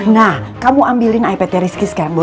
nah kamu ambilin ipt rizky sekarang bu